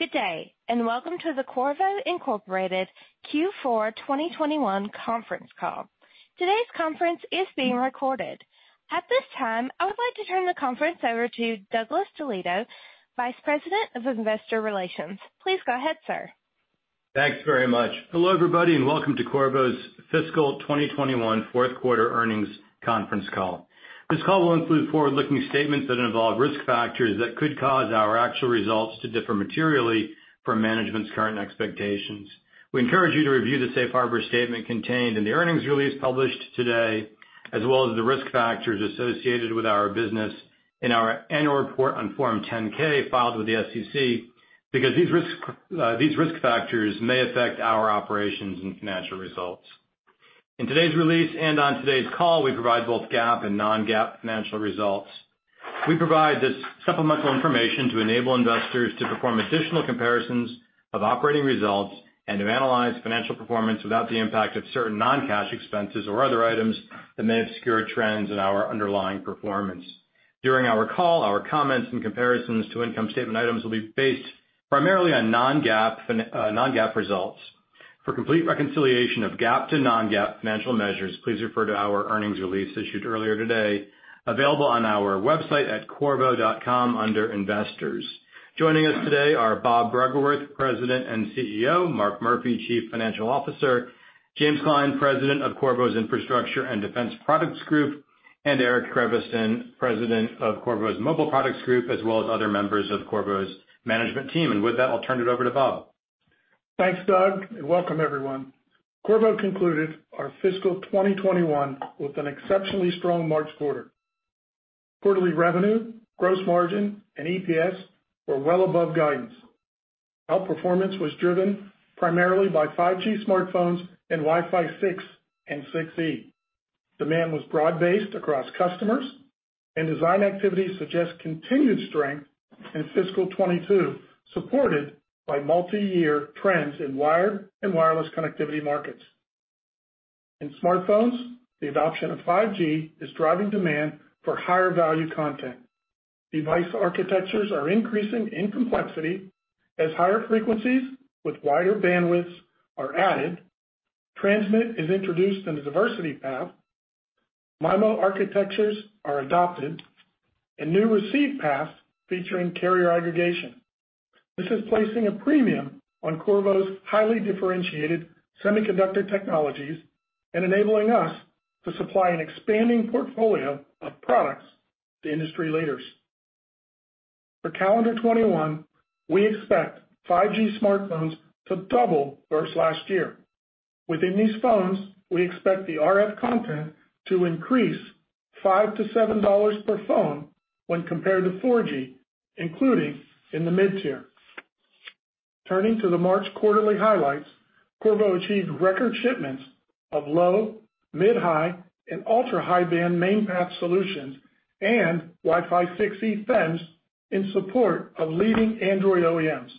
Good day, and welcome to the Qorvo Incorporated Q4 2021 conference call. Today's conference is being recorded. At this time, I would like to turn the conference over to Douglas DeLieto, Vice President of Investor Relations. Please go ahead, sir. Thanks very much. Hello, everybody, and welcome to Qorvo's fiscal 2021 fourth quarter earnings conference call. This call will include forward-looking statements that involve risk factors that could cause our actual results to differ materially from management's current expectations. We encourage you to review the safe harbor statement contained in the earnings release published today, as well as the risk factors associated with our business in our annual report on Form 10-K filed with the SEC, because these risk factors may affect our operations and financial results. In today's release and on today's call, we provide both GAAP and non-GAAP financial results. We provide this supplemental information to enable investors to perform additional comparisons of operating results and to analyze financial performance without the impact of certain non-cash expenses or other items that may obscure trends in our underlying performance. During our call, our comments and comparisons to income statement items will be based primarily on non-GAAP results. For complete reconciliation of GAAP to non-GAAP financial measures, please refer to our earnings release issued earlier today, available on our website at qorvo.com under Investors. Joining us today are Bob Bruggeworth, President and CEO, Mark Murphy, Chief Financial Officer, James Klein, President of Qorvo's Infrastructure and Defense Products Group, and Eric Creviston, President of Qorvo's Mobile Products Group, as well as other members of Qorvo's management team. With that, I'll turn it over to Bob. Thanks, Doug. Welcome everyone. Qorvo concluded our fiscal 2021 with an exceptionally strong March quarter. Quarterly revenue, gross margin, and EPS were well above guidance. Outperformance was driven primarily by 5G smartphones and Wi-Fi 6 and 6E. Demand was broad-based across customers, and design activities suggest continued strength in fiscal 2022, supported by multi-year trends in wired and wireless connectivity markets. In smartphones, the adoption of 5G is driving demand for higher-value content. Device architectures are increasing in complexity as higher frequencies with wider bandwidths are added, transmit is introduced in the diversity path, MIMO architectures are adopted, and new receive paths featuring carrier aggregation. This is placing a premium on Qorvo's highly differentiated semiconductor technologies and enabling us to supply an expanding portfolio of products to industry leaders. For calendar 2021, we expect 5G smartphones to double versus last year. Within these phones, we expect the RF content to increase $5-$7 per phone when compared to 4G, including in the mid-tier. Turning to the March quarterly highlights, Qorvo achieved record shipments of low, mid-high, and ultra-high band main path solutions and Wi-Fi 6E FEMs in support of leading Android OEMs.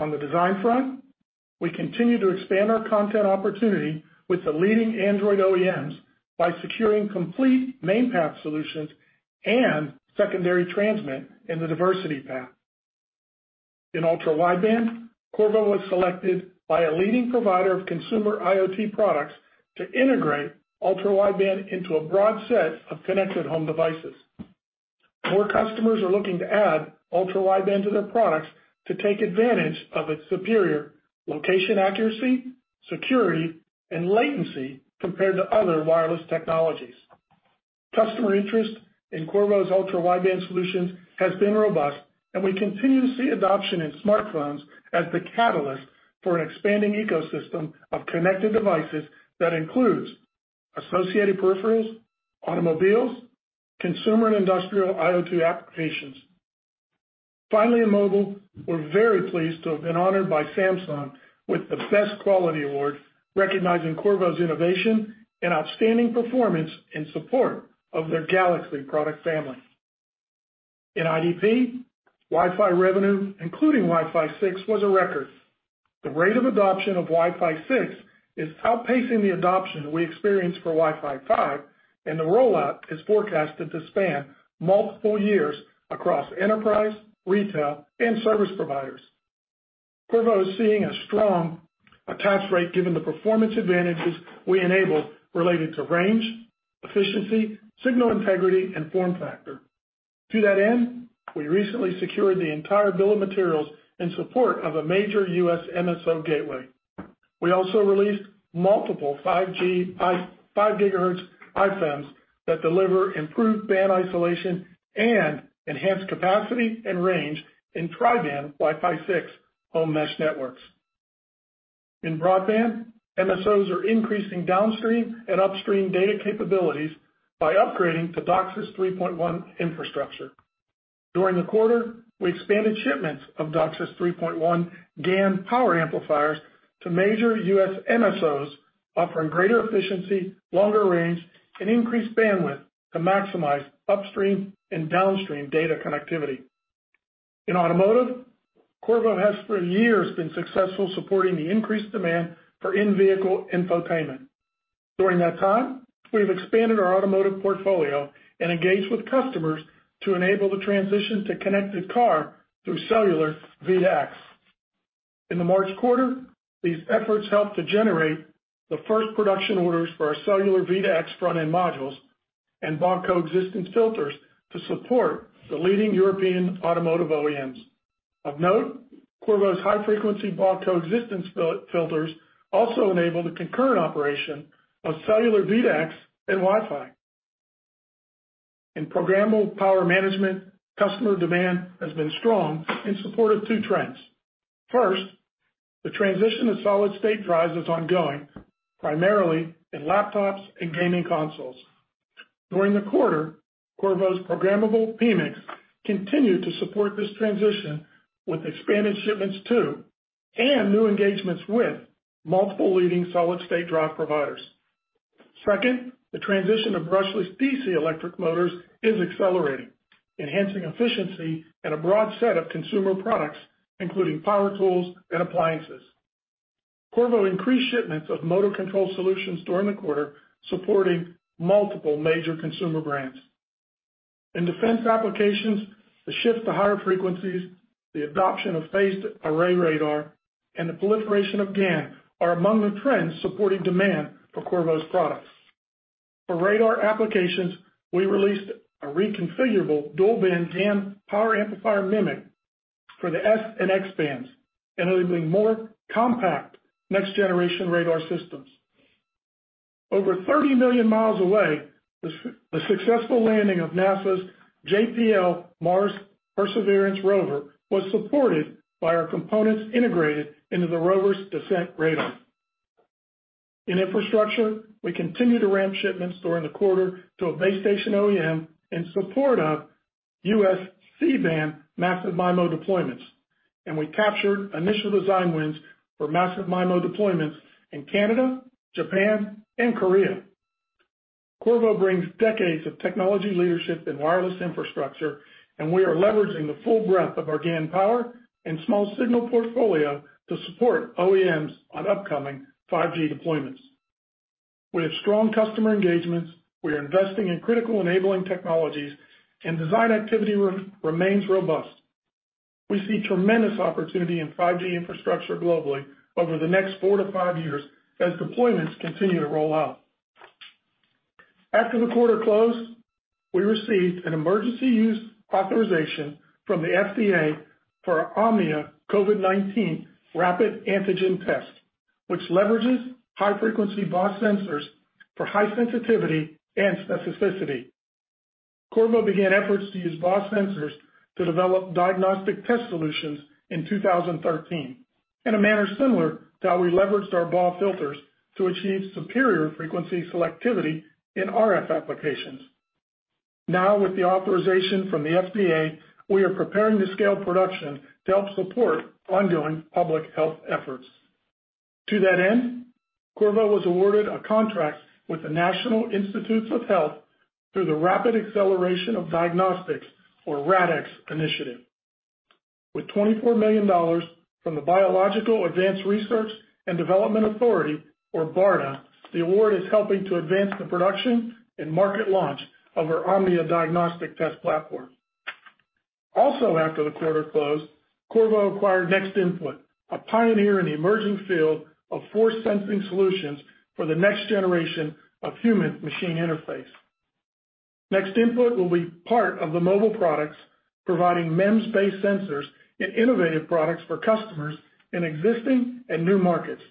On the design front, we continue to expand our content opportunity with the leading Android OEMs by securing complete main path solutions and secondary transmit in the diversity path. In ultra-wideband, Qorvo was selected by a leading provider of consumer IoT products to integrate ultra-wideband into a broad set of connected home devices, where customers are looking to add ultra-wideband to their products to take advantage of its superior location accuracy, security, and latency compared to other wireless technologies. Customer interest in Qorvo's ultra-wideband solutions has been robust. We continue to see adoption in smartphones as the catalyst for an expanding ecosystem of connected devices that includes associated peripherals, automobiles, consumer and industrial IoT applications. In mobile, we're very pleased to have been honored by Samsung with the Best Quality Award, recognizing Qorvo's innovation and outstanding performance in support of their Galaxy product family. In IDP, Wi-Fi revenue, including Wi-Fi 6, was a record. The rate of adoption of Wi-Fi 6 is outpacing the adoption we experienced for Wi-Fi 5. The rollout is forecasted to span multiple years across enterprise, retail, and service providers. Qorvo is seeing a strong attach rate given the performance advantages we enable related to range, efficiency, signal integrity, and form factor. To that end, we recently secured the entire bill of materials in support of a major U.S. MSO gateway. We also released multiple 5 GHz iFEMs that deliver improved band isolation and enhanced capacity and range in tri-band Wi-Fi 6 home mesh networks. In broadband, MSOs are increasing downstream and upstream data capabilities by upgrading to DOCSIS 3.1 infrastructure. During the quarter, we expanded shipments of DOCSIS 3.1 GaN power amplifiers to major U.S. MSOs, offering greater efficiency, longer range, and increased bandwidth to maximize upstream and downstream data connectivity. In automotive, Qorvo has for years been successful supporting the increased demand for in-vehicle infotainment. During that time, we have expanded our automotive portfolio and engaged with customers to enable the transition to connected car through cellular V2X. In the March quarter, these efforts helped to generate the first production orders for our cellular V2X front-end modules and BAW coexistence filters to support the leading European automotive OEMs. Of note, Qorvo's high-frequency BAW coexistence filters also enable the concurrent operation of cellular V2X and Wi-Fi. In programmable power management, customer demand has been strong in support of two trends. First, the transition to solid-state drives is ongoing, primarily in laptops and gaming consoles. During the quarter, Qorvo's programmable PMICs continued to support this transition with expanded shipments to, and new engagements with, multiple leading solid-state drive providers. Second, the transition to brushless DC electric motors is accelerating, enhancing efficiency in a broad set of consumer products, including power tools and appliances. Qorvo increased shipments of motor control solutions during the quarter, supporting multiple major consumer brands. In defense applications, the shift to higher frequencies, the adoption of phased array radar, and the proliferation of GaN are among the trends supporting demand for Qorvo's products. For radar applications, we released a reconfigurable dual-band GaN power amplifier MMIC for the S- and X-bands, enabling more compact next-generation radar systems. Over 30 million mi away, the successful landing of NASA's JPL Mars Perseverance Rover was supported by our components integrated into the rover's descent radar. In infrastructure, we continued to ramp shipments during the quarter to a base station OEM in support of U.S. C-band massive MIMO deployments, and we captured initial design wins for massive MIMO deployments in Canada, Japan, and Korea. Qorvo brings decades of technology leadership in wireless infrastructure, and we are leveraging the full breadth of our GaN power and small signal portfolio to support OEMs on upcoming 5G deployments. We have strong customer engagements, we are investing in critical enabling technologies, and design activity remains robust. We see tremendous opportunity in 5G infrastructure globally over the next four to five years as deployments continue to roll out. After the quarter closed, we received an emergency use authorization from the FDA for our Omnia COVID-19 rapid antigen test, which leverages high-frequency BAW sensors for high sensitivity and specificity. Qorvo began efforts to use BAW sensors to develop diagnostic test solutions in 2013, in a manner similar to how we leveraged our BAW filters to achieve superior frequency selectivity in RF applications. Now, with the authorization from the FDA, we are preparing to scale production to help support ongoing public health efforts. To that end, Qorvo was awarded a contract with the National Institutes of Health through the Rapid Acceleration of Diagnostics, or RADx initiative. With $24 million from the Biomedical Advanced Research and Development Authority, or BARDA, the award is helping to advance the production and market launch of our Omnia diagnostic test platform. After the quarter closed, Qorvo acquired NextInput, a pioneer in the emerging field of force-sensing solutions for the next generation of human-machine interface. NextInput will be part of the Mobile Products, providing MEMS-based sensors and innovative products for customers in existing and new markets.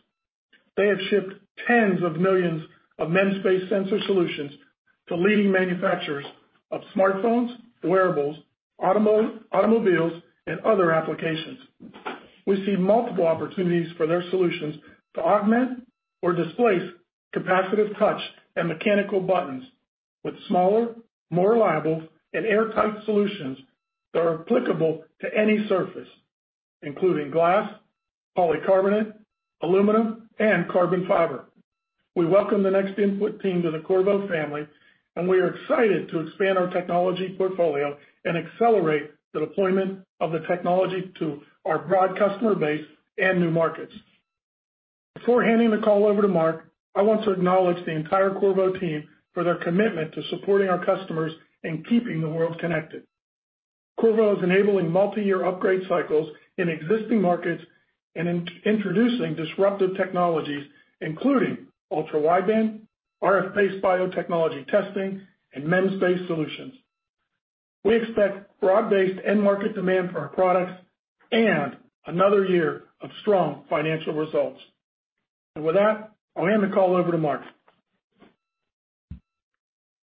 They have shipped tens of millions of MEMS-based sensor solutions to leading manufacturers of smartphones, wearables, automobiles, and other applications. We see multiple opportunities for their solutions to augment or displace capacitive touch and mechanical buttons with smaller, more reliable, and airtight solutions that are applicable to any surface, including glass, polycarbonate, aluminum, and carbon fiber. We welcome the NextInput team to the Qorvo family, and we are excited to expand our technology portfolio and accelerate the deployment of the technology to our broad customer base and new markets. Before handing the call over to Mark, I want to acknowledge the entire Qorvo team for their commitment to supporting our customers and keeping the world connected. Qorvo is enabling multi-year upgrade cycles in existing markets and introducing disruptive technologies, including ultra-wideband, RF-based biotechnology testing, and MEMS-based solutions. We expect broad-based end market demand for our products and another year of strong financial results. With that, I'll hand the call over to Mark.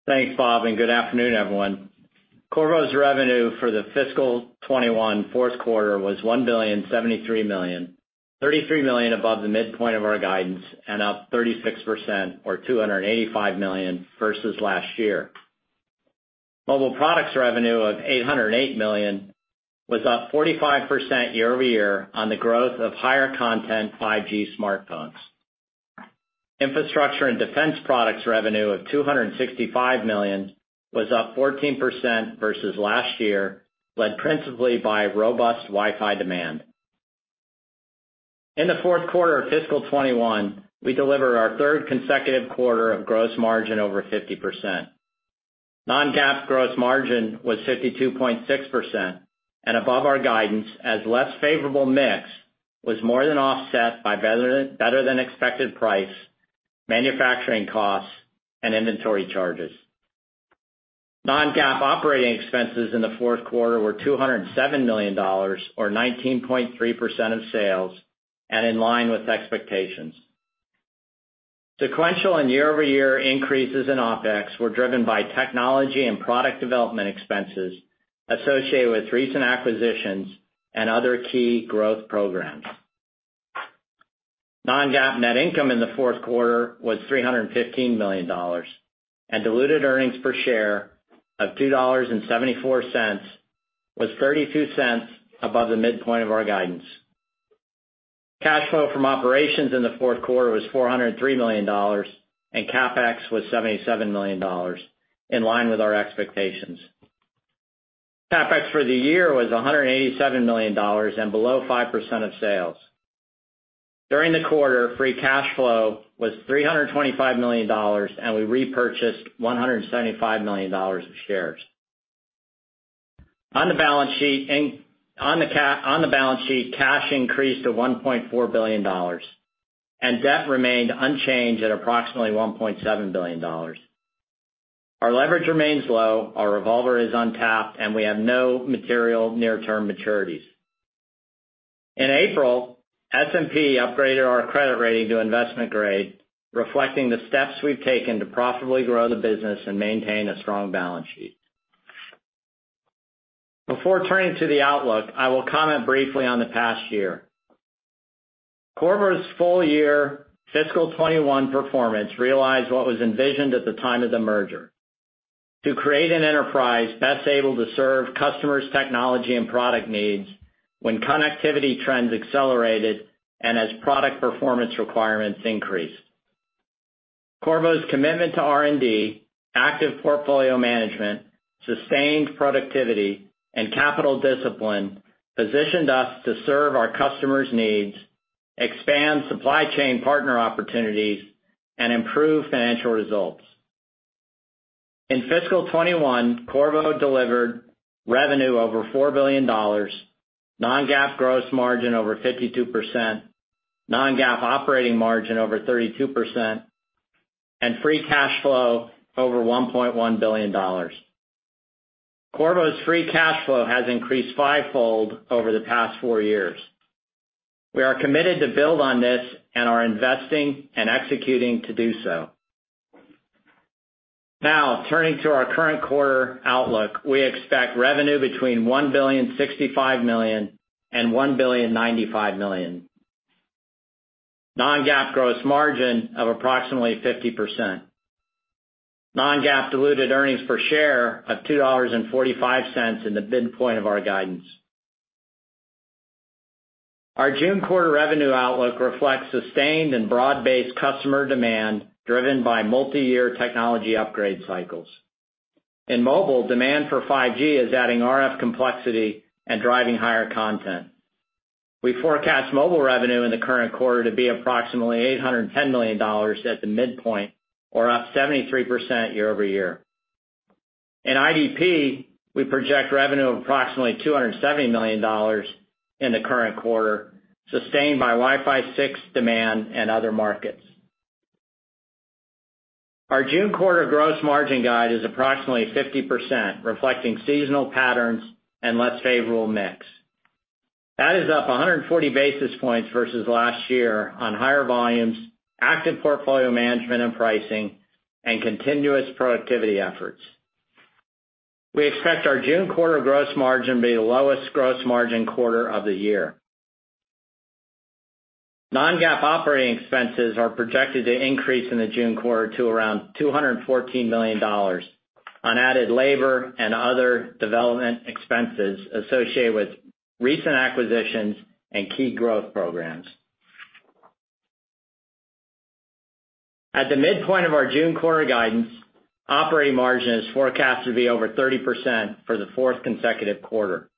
Thanks, Bob, and good afternoon, everyone. Qorvo's revenue for the fiscal 2021 fourth quarter was $1 billion and $73 million, $33 million above the midpoint of our guidance and up 36%, or $285 million, versus last year. Mobile Products revenue of $808 million was up 45% year-over-year on the growth of higher content 5G smartphones. Infrastructure and Defense Products revenue of $265 million was up 14% versus last year, led principally by robust Wi-Fi demand. In the fourth quarter of fiscal 2021, we delivered our third consecutive quarter of gross margin over 50%. Non-GAAP gross margin was 52.6% and above our guidance, as less favorable mix was more than offset by better-than-expected prices, manufacturing costs, and inventory charges. Non-GAAP operating expenses in the fourth quarter were $207 million, or 19.3% of sales, and in line with expectations. Sequential and year-over-year increases in OpEx were driven by technology and product development expenses associated with recent acquisitions and other key growth programs. Non-GAAP net income in the fourth quarter was $315 million, and diluted earnings per share of $2.74 was $0.32 above the midpoint of our guidance. Cash flow from operations in the fourth quarter was $403 million, and CapEx was $77 million, in line with our expectations. CapEx for the year was $187 million and below 5% of sales. During the quarter, free cash flow was $325 million, and we repurchased $175 million of shares. On the balance sheet, cash increased to $1.4 billion, and debt remained unchanged at approximately $1.7 billion. Our leverage remains low, our revolver is untapped, and we have no material near-term maturities. In April, S&P upgraded our credit rating to investment grade, reflecting the steps we've taken to profitably grow the business and maintain a strong balance sheet. Before turning to the outlook, I will comment briefly on the past year. Qorvo's full-year fiscal 2021 performance realized what was envisioned at the time of the merger: to create an enterprise best able to serve customers' technology and product needs when connectivity trends accelerated, and as product performance requirements increased. Qorvo's commitment to R&D, active portfolio management, sustained productivity, and capital discipline positioned us to serve our customers' needs, expand supply chain partner opportunities, and improve financial results. In fiscal 2021, Qorvo delivered revenue over $4 billion, non-GAAP gross margin over 52%, non-GAAP operating margin over 32%, and free cash flow over $1.1 billion. Qorvo's free cash flow has increased fivefold over the past four years. We are committed to build on this and are investing and executing to do so. Turning to our current quarter outlook. We expect revenue between $1.065 billion and $1.095 billion. Non-GAAP gross margin of approximately 50%. Non-GAAP diluted earnings per share of $2.45 in the midpoint of our guidance. Our June quarter revenue outlook reflects sustained and broad-based customer demand driven by multiyear technology upgrade cycles. In mobile, demand for 5G is adding RF complexity and driving higher content. We forecast mobile revenue in the current quarter to be approximately $810 million at the midpoint, or up 73% year-over-year. In IDP, we project revenue of approximately $270 million in the current quarter, sustained by Wi-Fi 6 demand and other markets. Our June quarter gross margin guide is approximately 50%, reflecting seasonal patterns and less favorable mix. That is up 140 basis points versus last year on higher volumes, active portfolio management and pricing, and continuous productivity efforts. We expect our June quarter gross margin to be the lowest gross margin quarter of the year. Non-GAAP operating expenses are projected to increase in the June quarter to around $214 million on added labor and other development expenses associated with recent acquisitions and key growth programs. At the midpoint of our June quarter guidance, operating margin is forecast to be over 30% for the fourth consecutive quarter.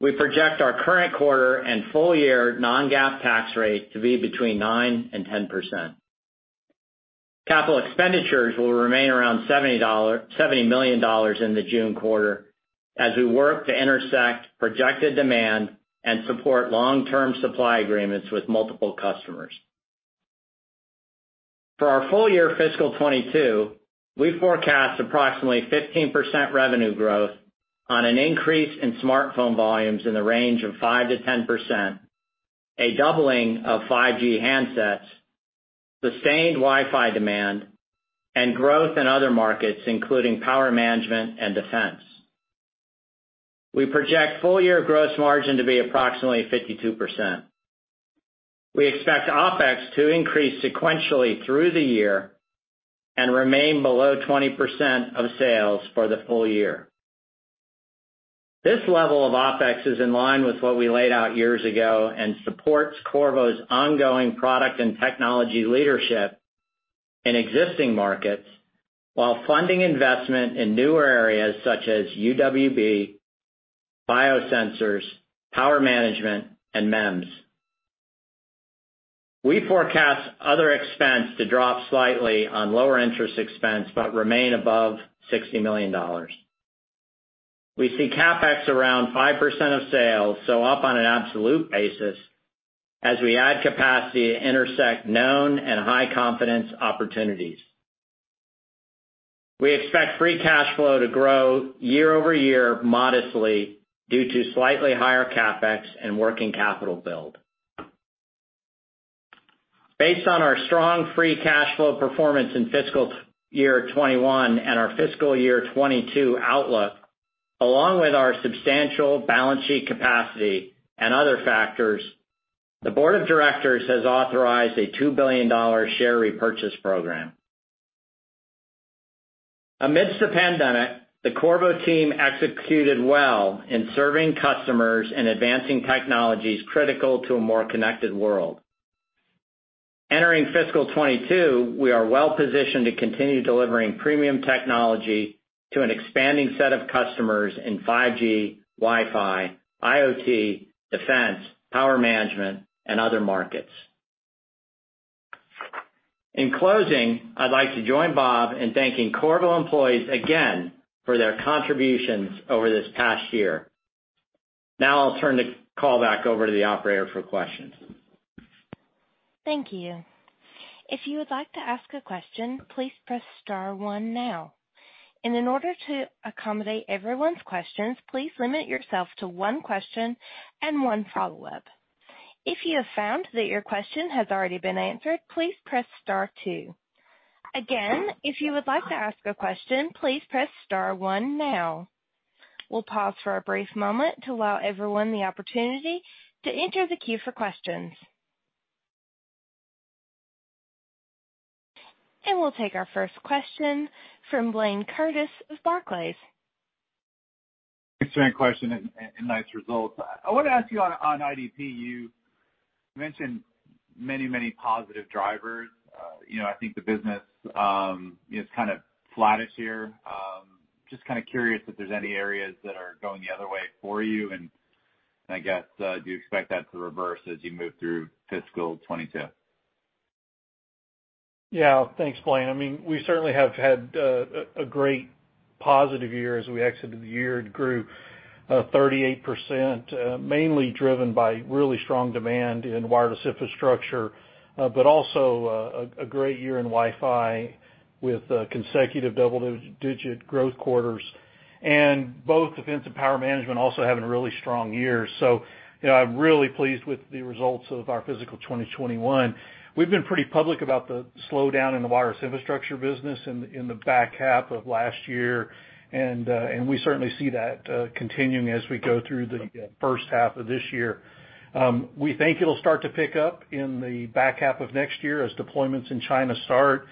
We project our current quarter and full year non-GAAP tax rate to be between 9% and 10%. Capital expenditures will remain around $70 million in the June quarter as we work to intersect projected demand and support long-term supply agreements with multiple customers. For our full-year fiscal 2022, we forecast approximately 15% revenue growth on an increase in smartphone volumes in the range of 5%-10%, a doubling of 5G handsets, sustained Wi-Fi demand, and growth in other markets, including power management and defense. We project full-year gross margin to be approximately 52%. We expect OpEx to increase sequentially through the year and remain below 20% of sales for the full year. This level of OpEx is in line with what we laid out years ago and supports Qorvo's ongoing product and technology leadership in existing markets, while funding investment in newer areas such as UWB, biosensors, power management, and MEMS. We forecast other expense to drop slightly on lower interest expense, but remain above $60 million. We see CapEx around 5% of sales, up on an absolute basis as we add capacity to intersect known and high-confidence opportunities. We expect free cash flow to grow year-over-year modestly due to slightly higher CapEx and working capital build. Based on our strong free cash flow performance in fiscal year 2021 and our fiscal year 2022 outlook, along with our substantial balance sheet capacity and other factors, the board of directors has authorized a $2 billion share repurchase program. Amidst the pandemic, the Qorvo team executed well in serving customers and advancing technologies critical to a more connected world. Entering fiscal 2022, we are well-positioned to continue delivering premium technology to an expanding set of customers in 5G, Wi-Fi, IoT, defense, power management, and other markets. In closing, I'd like to join Bob in thanking Qorvo employees again for their contributions over this past year. Now I'll turn the call back over to the operator for questions. Thank you. If you would like to ask a question, please press star one now. In order to accommodate everyone's questions, please limit yourself to one question and one follow-up. If you have found that your question has already been answered, please press star two. Again, if you would like to ask a question, please press star one now. We'll pause for a brief moment to allow everyone the opportunity to enter the queue for questions. We'll take our first question from Blayne Curtis of Barclays. Thanks for the question and nice results. I want to ask you on IDP, you mentioned many positive drivers. I think the business is kind of flattish here. Just kind of curious if there's any areas that are going the other way for you, and I guess, do you expect that to reverse as you move through fiscal 2022? Yeah. Thanks, Blayne. We certainly have had a great positive year as we exited the year. It grew 38%, mainly driven by really strong demand in wireless infrastructure, but also a great year in Wi-Fi with consecutive double-digit growth quarters and both defense and power management also having a really strong year. I'm really pleased with the results of our fiscal 2021. We've been pretty public about the slowdown in the wireless infrastructure business in the back half of last year, and we certainly see that continuing as we go through the first half of this year. We think it'll start to pick up in the back half of next year as deployments in China start.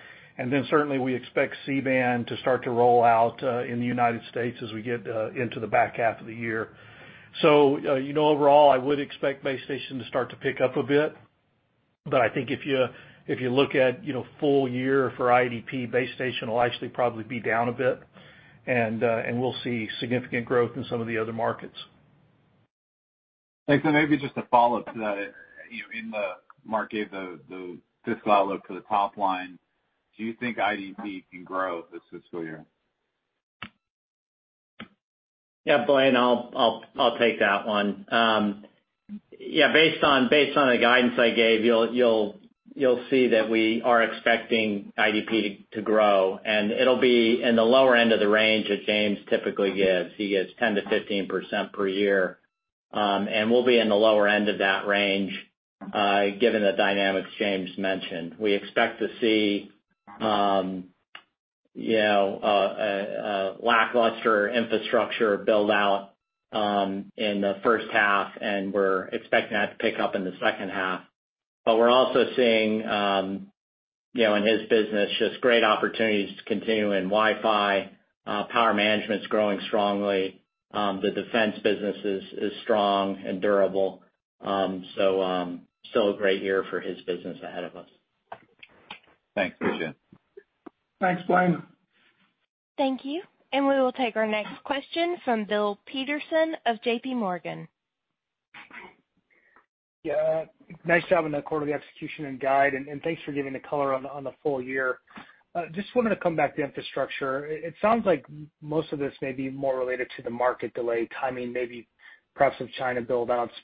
Certainly, we expect C-band to start to roll out in the United States as we get into the back half of the year. Overall, I would expect base station to start to pick up a bit. I think if you look at full year for IDP, base station will actually probably be down a bit, and we will see significant growth in some of the other markets. Thanks. Maybe just a follow-up to that. Mark gave the fiscal outlook for the top line. Do you think IDP can grow this fiscal year? Yeah, Blayne, I'll take that one. Based on the guidance I gave you'll see that we are expecting IDP to grow, and it'll be in the lower end of the range that James typically gives. He gives 10%-15% per year, and we'll be in the lower end of that range, given the dynamics James mentioned. We expect to see a lackluster infrastructure build-out in the first half, and we're expecting that to pick up in the second half. We're also seeing, in his business, just great opportunities to continue in Wi-Fi. Power management's growing strongly. The defense business is strong and durable. Still a great year for his business ahead of us. Thanks. Appreciate it.. Thanks, Blayne. Thank you. We will take our next question from Bill Peterson of JPMorgan. Yeah. Nice job on the quarterly execution and guide. Thanks for giving the color on the full year. Just wanted to come back to infrastructure. It sounds like most of this may be more related to the market delay timing, maybe perhaps some China build-outs.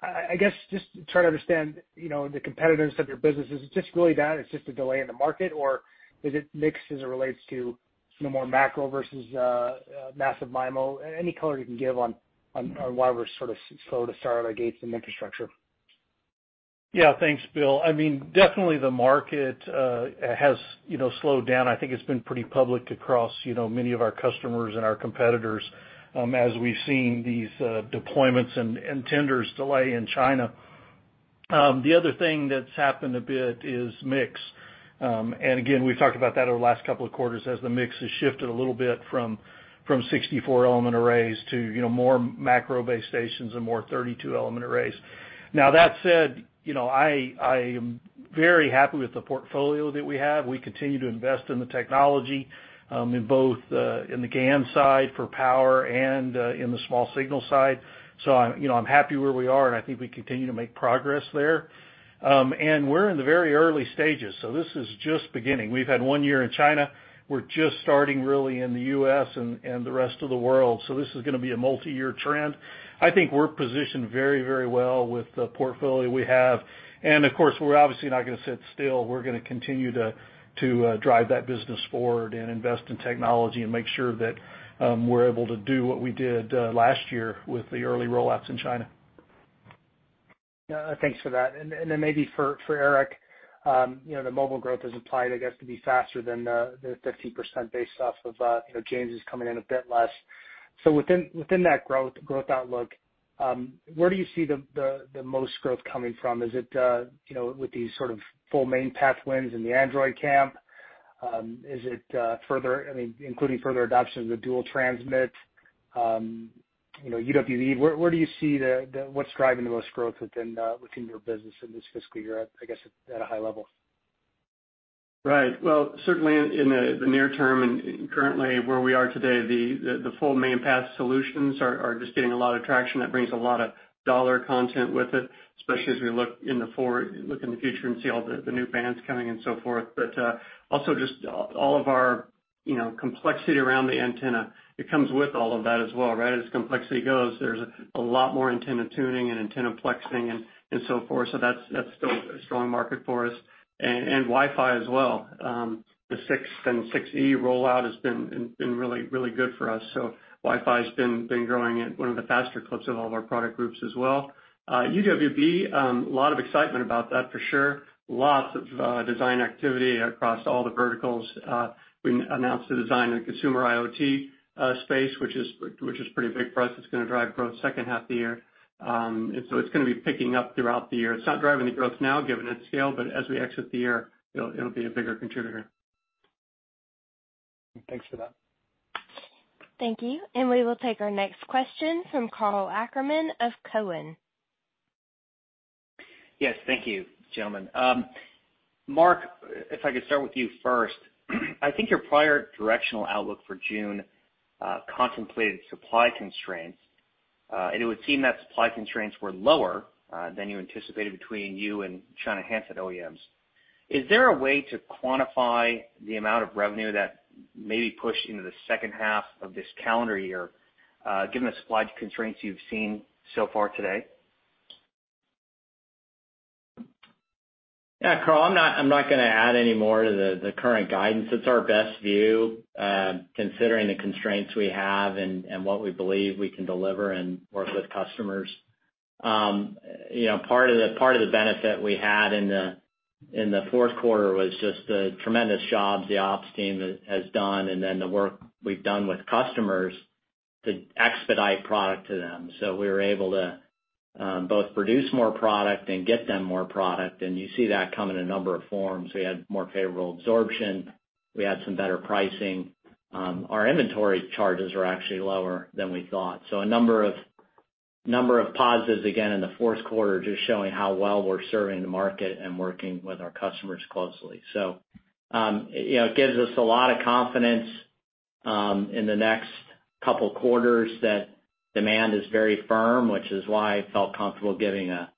I guess just trying to understand the competitiveness of your businesses. Is it just really that it's just a delay in the market, or is it mixed as it relates to more macro versus massive MIMO? Any color you can give on why we're sort of slow to start out of gates in infrastructure? Yeah. Thanks, Bill. Definitely the market has slowed down. I think it's been pretty public across many of our customers and our competitors as we've seen these deployments and tenders delay in China. The other thing that's happened a bit is mix. Again, we've talked about that over the last couple of quarters as the mix has shifted a little bit from 64-element arrays to more macro base stations and more 32 element arrays. That said, I am very happy with the portfolio that we have. We continue to invest in the technology, in both the GaN side for power and in the small signal side. I'm happy where we are, and I think we continue to make progress there. We're in the very early stages, this is just beginning. We've had one year in China. We're just starting really in the U.S. and the rest of the world. This is going to be a multi-year trend. I think we're positioned very well with the portfolio we have. Of course, we're obviously not going to sit still. We're going to continue to drive that business forward and invest in technology and make sure that we're able to do what we did last year with the early rollouts in China. Yeah. Thanks for that. Maybe for Eric, the mobile growth is implied, I guess, to be faster than the 15% based off of James' coming in a bit less. Within that growth outlook, where do you see the most growth coming from? Is it with these sort of full main path wins in the Android camp? Is it including further adoption of the dual transmit, UWB? Where do you see what's driving the most growth within your business in this fiscal year, I guess at a high level? Right. Well, certainly in the near term and currently where we are today, the full main path solutions are just getting a lot of traction. That brings a lot of dollar content with it, especially as we look in the future and see all the new bands coming and so forth. Also just all of our complexity around the antenna, it comes with all of that as well, right? As complexity goes, there's a lot more antenna tuning and antenna plexing and so forth. That's still a strong market for us. Wi-Fi as well. The 6 and 6E rollout has been really good for us. Wi-Fi's been growing at one of the faster clips of all of our product groups as well. UWB, lot of excitement about that for sure. Lots of design activity across all the verticals. We announced a design in the consumer IoT space, which is pretty big for us. It's going to drive growth second half of the year. It's going to be picking up throughout the year. It's not driving the growth now given its scale, but as we exit the year, it'll be a bigger contributor. Thanks for that. Thank you. We will take our next question from Karl Ackerman of Cowen. Yes, thank you, gentlemen. Mark, if I could start with you first. I think your prior directional outlook for June contemplated supply constraints, and it would seem that supply constraints were lower than you anticipated between you and China handset OEMs. Is there a way to quantify the amount of revenue that may be pushed into the second half of this calendar year, given the supply constraints you've seen so far today? Yeah, Karl, I'm not going to add any more to the current guidance. It's our best view, considering the constraints we have and what we believe we can deliver and work with customers. Part of the benefit we had in the fourth quarter was just the tremendous jobs the ops team has done, and then the work we've done with customers to expedite product to them. We were able to both produce more product and get them more product, and you see that come in a number of forms. We had more favorable absorption. We had some better pricing. Our inventory charges were actually lower than we thought. A number of positives again in the fourth quarter, just showing how well we're serving the market and working with our customers closely. It gives us a lot of confidence in the next couple of quarters that demand is very firm, which is why I felt comfortable giving a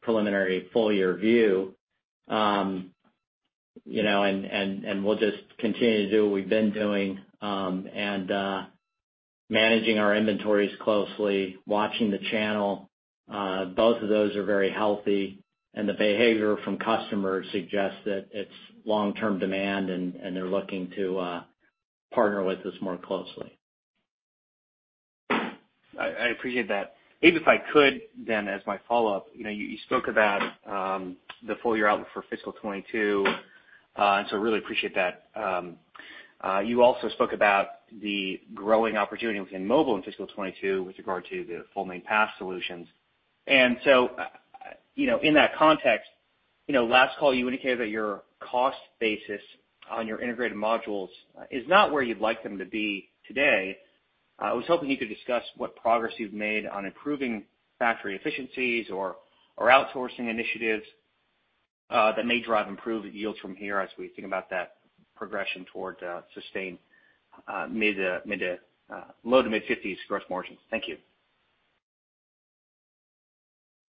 preliminary full-year view. We'll just continue to do what we've been doing, and managing our inventories closely, watching the channel. Both of those are very healthy, and the behavior from customers suggests that it's long-term demand and they're looking to partner with us more closely. I appreciate that. If I could, then as my follow-up, you spoke about the full-year outlook for fiscal 2022. Really appreciate that. You also spoke about the growing opportunity within mobile in fiscal 2022 with regard to the full main path solutions. In that context, last call you indicated that your cost basis on your integrated modules is not where you'd like them to be today. I was hoping you could discuss what progress you've made on improving factory efficiencies or outsourcing initiatives that may drive improved yields from here as we think about that progression towards a sustained low to mid 50s gross margins. Thank you.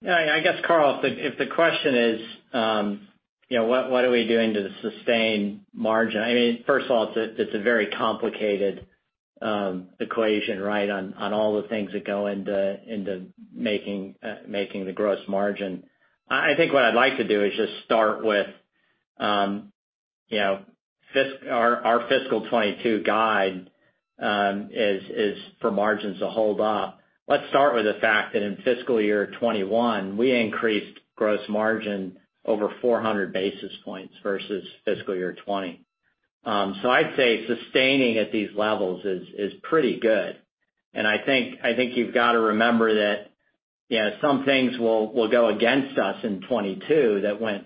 I guess, Karl, if the question is what are we doing to sustain margin, first of all, it's a very complicated equation on all the things that go into making the gross margin. I think what I'd like to do is just start with our fiscal 2022 guide is for margins to hold up. Let's start with the fact that in fiscal year 2021, we increased gross margin over 400 basis points versus fiscal year 2020. I'd say sustaining at these levels is pretty good. I think you've got to remember that some things will go against us in 2022 that went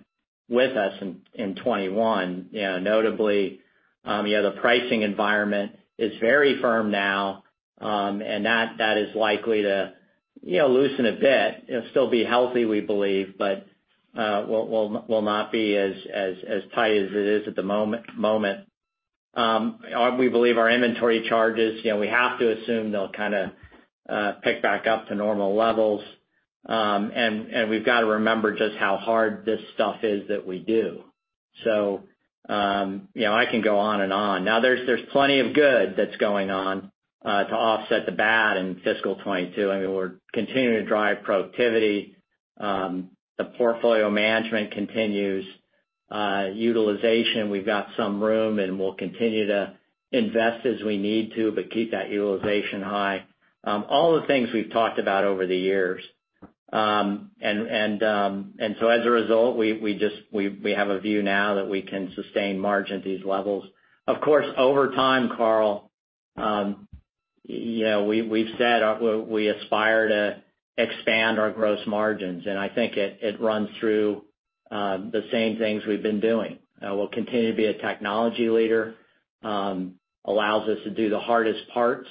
with us in 2021. Notably, the pricing environment is very firm now, and that is likely to loosen a bit. It'll still be healthy, we believe, but will not be as tight as it is at the moment. We believe our inventory charges, we have to assume they'll pick back up to normal levels. We've got to remember just how hard this stuff is that we do. I can go on and on. Now, there's plenty of good that's going on to offset the bad in fiscal 2022. I mean, we're continuing to drive productivity. The portfolio management continues. Utilization, we've got some room, and we'll continue to invest as we need to, but keep that utilization high. All the things we've talked about over the years. As a result, we have a view now that we can sustain margin at these levels. Of course, over time, Karl, we've said we aspire to expand our gross margins, and I think it runs through the same things we've been doing. We'll continue to be a technology leader, allows us to do the hardest parts.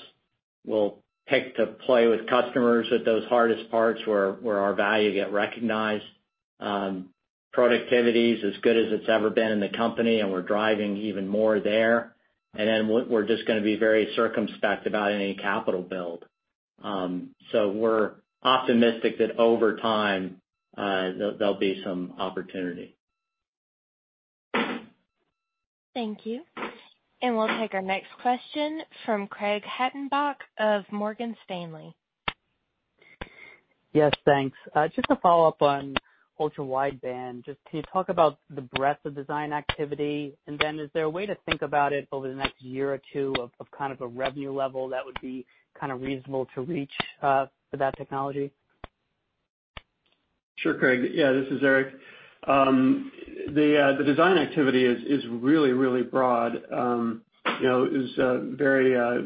We'll pick to play with customers at those hardest parts where our value get recognized. Productivity's as good as it's ever been in the company, and we're driving even more there. Then we're just going to be very circumspect about any capital build. We're optimistic that over time, there'll be some opportunity. Thank you. We'll take our next question from Craig Hettenbach of Morgan Stanley. Yes, thanks. Just to follow up on Ultra-Wideband, just can you talk about the breadth of design activity? Is there a way to think about it over the next year or two of kind of a revenue level that would be reasonable to reach for that technology? Sure, Craig. This is Eric. The design activity is really broad. It was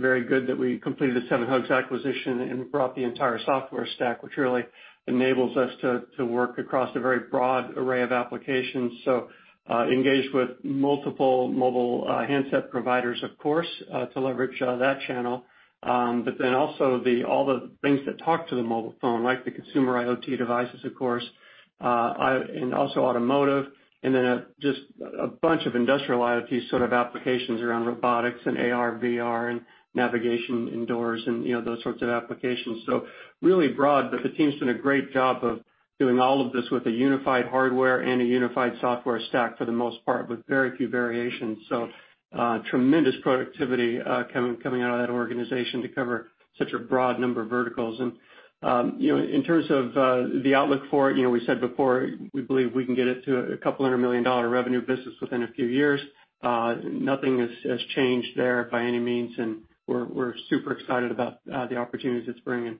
very good that we completed the SevenHugs acquisition and brought the entire software stack, which really enables us to work across a very broad array of applications. Engaged with multiple mobile handset providers, of course, to leverage that channel. Also all the things that talk to the mobile phone, like the consumer IoT devices, of course, and also automotive, and then just a bunch of industrial IoT sort of applications around robotics and AR, VR, and navigation indoors and those sorts of applications. Really broad, but the team's done a great job of doing all of this with a unified hardware and a unified software stack for the most part, with very few variations. Tremendous productivity coming out of that organization to cover such a broad number of verticals. In terms of the outlook for it, we said before, we believe we can get it to a couple hundred million dollar revenue business within a few years. Nothing has changed there by any means, and we're super excited about the opportunities it's bringing.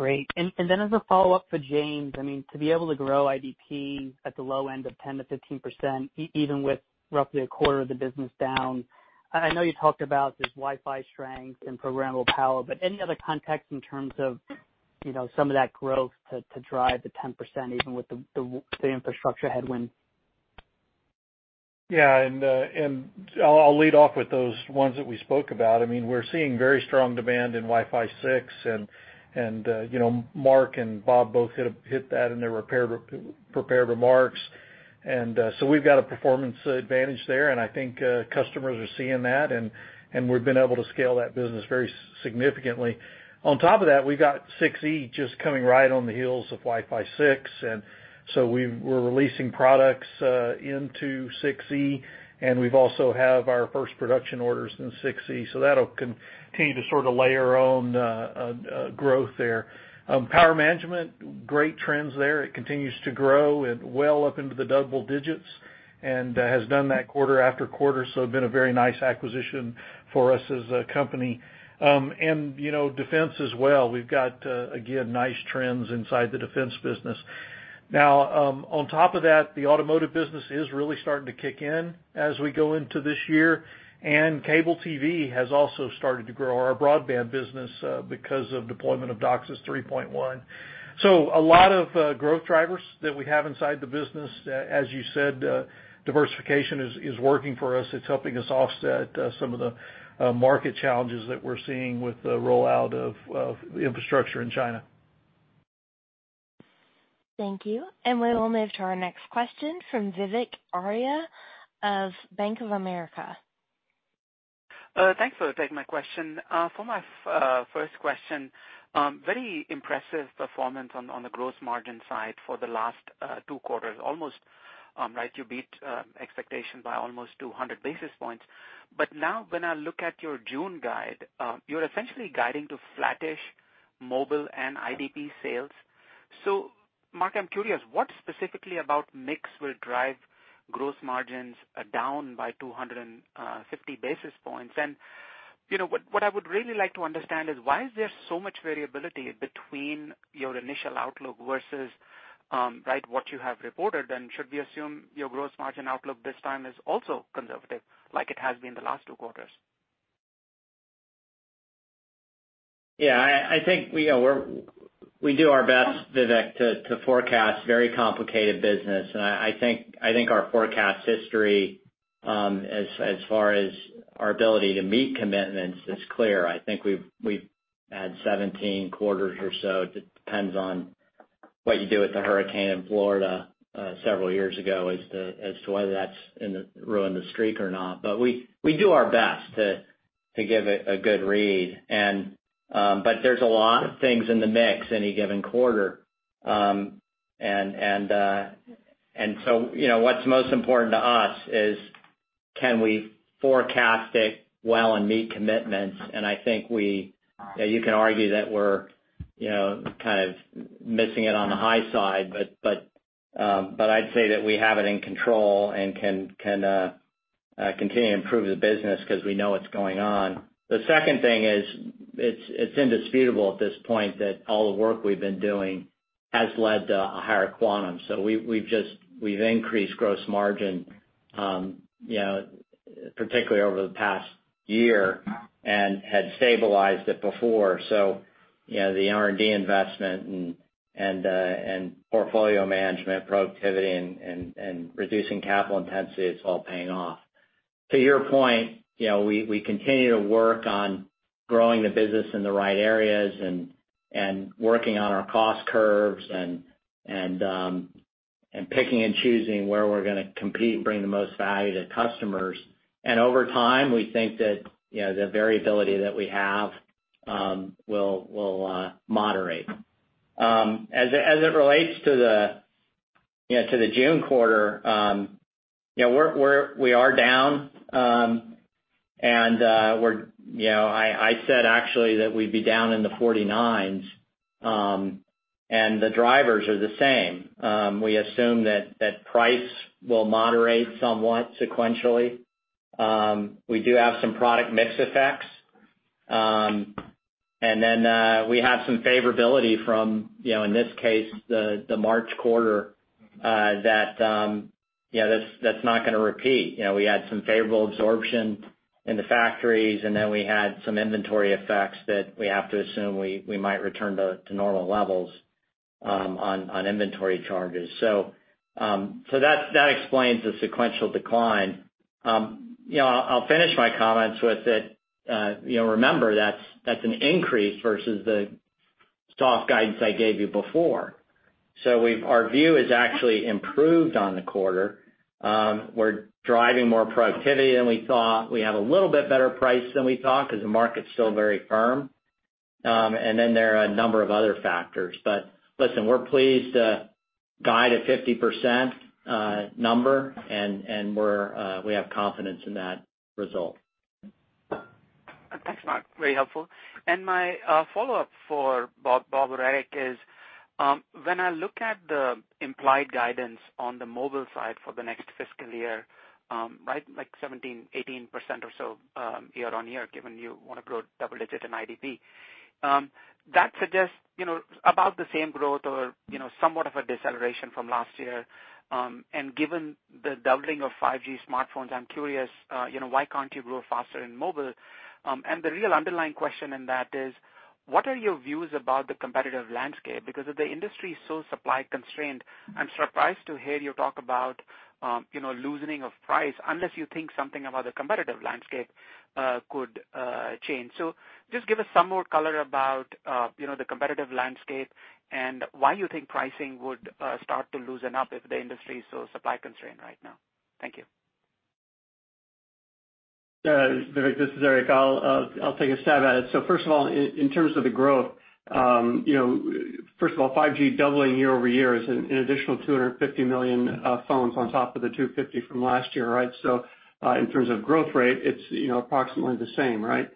Great. As a follow-up for James, I mean, to be able to grow IDP at the low end of 10%-15%, even with roughly a quarter of the business down, I know you talked about this Wi-Fi strength and programmable power, but any other context in terms of some of that growth to drive the 10%, even with the infrastructure headwind? Yeah. I'll lead off with those ones that we spoke about. I mean, we're seeing very strong demand in Wi-Fi 6, and Mark and Bob both hit that in their prepared remarks. We've got a performance advantage there, and I think customers are seeing that, and we've been able to scale that business very significantly. On top of that, we've got 6E just coming right on the heels of Wi-Fi 6. We're releasing products into 6E, and we also have our first production orders in 6E, so that'll continue to sort of layer on growth there. Power management, great trends there. It continues to grow well up into the double digits and has done that quarter after quarter, so been a very nice acquisition for us as a company. Defense as well. We've got, again, nice trends inside the defense business. On top of that, the automotive business is really starting to kick in as we go into this year, and cable TV has also started to grow, our broadband business, because of deployment of DOCSIS 3.1. A lot of growth drivers that we have inside the business. As you said, diversification is working for us. It is helping us offset some of the market challenges that we are seeing with the rollout of the infrastructure in China. Thank you. We will move to our next question from Vivek Arya of Bank of America. Thanks for taking my question. For my first question, very impressive performance on the gross margin side for the last two quarters. You beat expectation by almost 200 basis points. Now when I look at your June guide, you're essentially guiding to flattish mobile and IDP sales. Mark, I'm curious, what specifically about mix will drive gross margins down by 250 basis points? What I would really like to understand is why is there so much variability between your initial outlook versus what you have reported? Should we assume your gross margin outlook this time is also conservative like it has been the last two quarters? I think we do our best, Vivek, to forecast very complicated business. I think our forecast history, as far as our ability to meet commitments, is clear. I think we've had 17 quarters or so. It depends on what you do with the hurricane in Florida several years ago as to whether that's ruined the streak or not. We do our best to give it a good read, but there's a lot of things in the mix any given quarter. What's most important to us is can we forecast it well and meet commitments. I think you can argue that we're kind of missing it on the high side, but I'd say that we have it in control and can continue to improve the business because we know what's going on. The second thing is, it's indisputable at this point that all the work we've been doing has led to a higher quantum. We've increased gross margin, particularly over the past year, and had stabilized it before. The R&D investment and portfolio management productivity and reducing capital intensity, it's all paying off. To your point, we continue to work on growing the business in the right areas and working on our cost curves and picking and choosing where we're going to compete and bring the most value to customers. Over time, we think that the variability that we have will moderate. As it relates to the June quarter, we are down, and I said actually that we'd be down in the 49s, and the drivers are the same. We assume that price will moderate somewhat sequentially. We do have some product mix effects. We have some favorability from, in this case, the March quarter, that's not going to repeat. We had some favorable absorption in the factories, and then we had some inventory effects that we have to assume we might return to normal levels on inventory charges. That explains the sequential decline. I'll finish my comments with that, remember, that's an increase versus the soft guidance I gave you before. Our view has actually improved on the quarter. We're driving more productivity than we thought. We have a little bit better price than we thought because the market's still very firm. There are a number of other factors. Listen, we're pleased to guide a 50% number, and we have confidence in that result. Thanks, Mark. Very helpful. My follow-up for Bob or Eric is, when I look at the implied guidance on the mobile side for the next fiscal year, like 17%-18% or so year-on-year, given you want to grow double-digit in IDP. That suggests about the same growth or somewhat of a deceleration from last year. Given the doubling of 5G smartphones, I'm curious, why can't you grow faster in mobile? The real underlying question in that is, what are your views about the competitive landscape? Because if the industry is so supply-constrained, I'm surprised to hear you talk about loosening of price unless you think something about the competitive landscape could change. Just give us some more color about the competitive landscape and why you think pricing would start to loosen up if the industry is so supply-constrained right now. Thank you. Vivek, this is Eric. I'll take a stab at it. First of all, in terms of the growth, first of all, 5G doubling year-over-year is an additional 250 million phones on top of the 250 from last year. In terms of growth rate, it's approximately the same, right?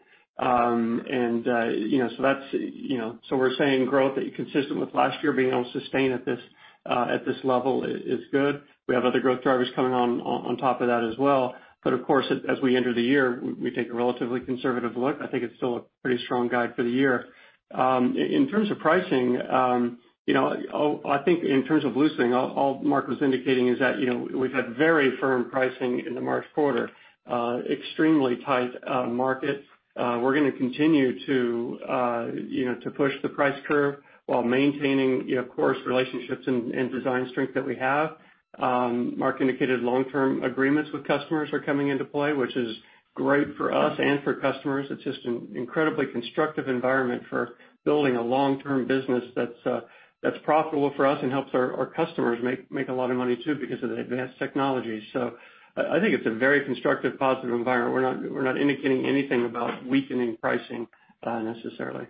We're saying growth consistent with last year being able to sustain at this level is good. We have other growth drivers coming on top of that as well. Of course, as we enter the year, we take a relatively conservative look. I think it's still a pretty strong guide for the year. In terms of pricing, I think in terms of loosening, all Mark was indicating is that we've had very firm pricing in the March quarter, extremely tight market. We're going to continue to push the price curve while maintaining, of course, relationships and design strength that we have. Mark indicated long-term agreements with customers are coming into play, which is great for us and for customers. It's just an incredibly constructive environment for building a long-term business that's profitable for us and helps our customers make a lot of money too because of the advanced technology. I think it's a very constructive, positive environment. We're not indicating anything about weakening pricing necessarily.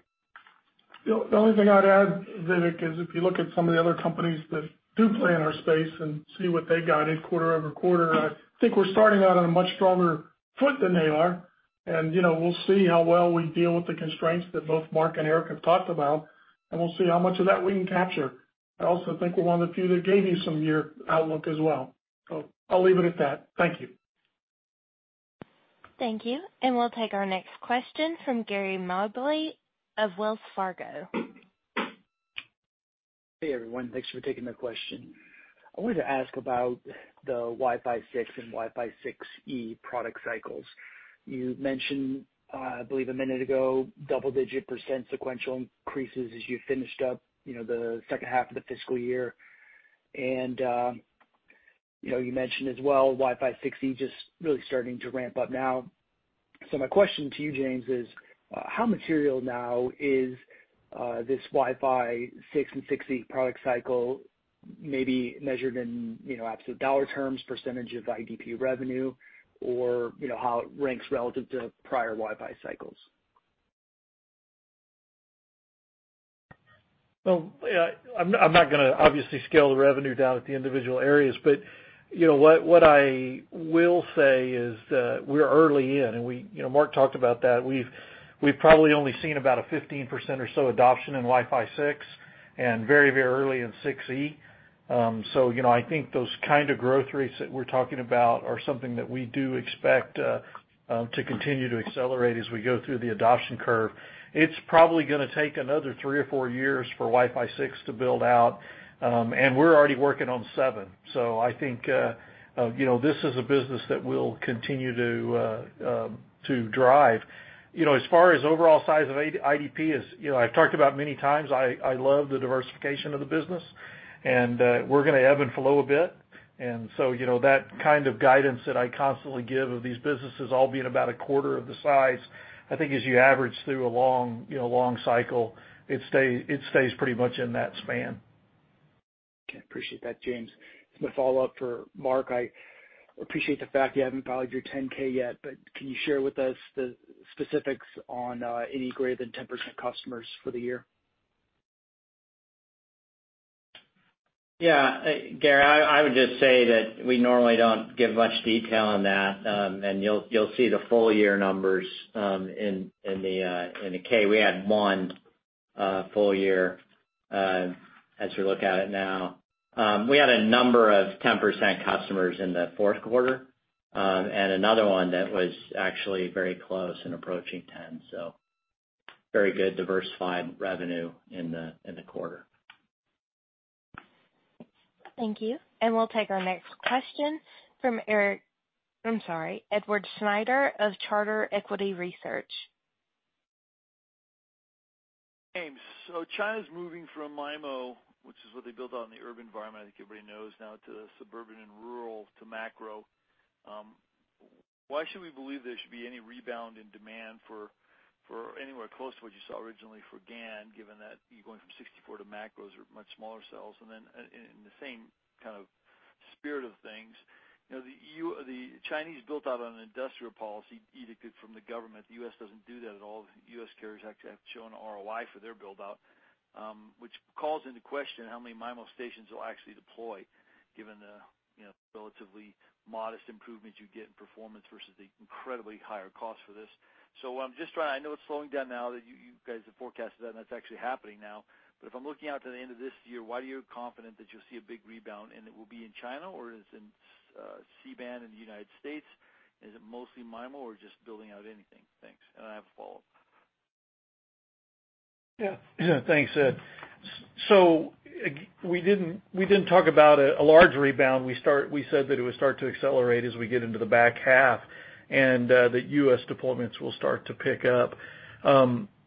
The only thing I'd add, Vivek, is if you look at some of the other companies that do play in our space and see what they guided quarter-over-quarter, I think we're starting out on a much stronger foot than they are. We'll see how well we deal with the constraints that both Mark and Eric have talked about, and we'll see how much of that we can capture. I also think we want to give you some of your outlook as well. I'll leave it at that. Thank you. Thank you. We'll take our next question from Gary Mobley of Wells Fargo. Hey everyone, thanks for taking my question. I wanted to ask about the Wi-Fi 6 and Wi-Fi 6E product cycles. You mentioned, I believe a minute ago, double-digit % sequential increases as you finished up the second half of the fiscal year. You mentioned as well, Wi-Fi 6E just really starting to ramp up now. My question to you, James, is how material now is this Wi-Fi 6 and 6E product cycle maybe measured in absolute dollar terms, % of IDP revenue or how it ranks relative to prior Wi-Fi cycles? Well, I'm not going to obviously scale the revenue down at the individual areas. What I will say is that we're early in and Mark talked about that. We've probably only seen about a 15% or so adoption in Wi-Fi 6 and very early in 6E. I think those kind of growth rates that we're talking about are something that we do expect to continue to accelerate as we go through the adoption curve. It's probably going to take another three or four years for Wi-Fi 6 to build out, and we're already working on 7. I think this is a business that will continue to drive. As far as overall size of IDP is, I've talked about many times, I love the diversification of the business and we're going to ebb and flow a bit. That kind of guidance that I constantly give of these businesses all being about a quarter of the size, I think as you average through a long cycle, it stays pretty much in that span. Okay. Appreciate that, James. As my follow-up for Mark, I appreciate the fact you haven't filed your 10-K yet, but can you share with us the specifics on any greater than 10% customers for the year? Yeah. Gary, I would just say that we normally don't give much detail on that. You'll see the full-year numbers in the K. We had one full year, as we look at it now. We had a number of 10% customers in the fourth quarter, and another one that was actually very close and approaching 10, so very good diversified revenue in the quarter. Thank you. We'll take our next question from Edward Snyder of Charter Equity Research. James, China's moving from MIMO, which is what they built out in the urban environment, I think everybody knows now, to suburban and rural to macro. Why should we believe there should be any rebound in demand for anywhere close to what you saw originally for GaN, given that you're going from 64 to macros or much smaller cells? In the same kind of spirit of things, the Chinese built out on an industrial policy edict from the government. The U.S. doesn't do that at all. The U.S. carriers actually have shown ROI for their build-out, which calls into question how many MIMO stations they'll actually deploy, given the relatively modest improvements you get in performance versus the incredibly higher cost for this. I'm just trying, I know it's slowing down now that you guys have forecasted that, and that's actually happening now, but if I'm looking out to the end of this year, why are you confident that you'll see a big rebound? It will be in China, or is in C-band in the United States? Is it mostly MIMO or just building out anything? Thanks. I have a follow-up. Yeah. Thanks, Ed. We didn't talk about a large rebound. We said that it would start to accelerate as we get into the back half and that U.S. deployments will start to pick up.